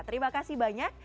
terima kasih banyak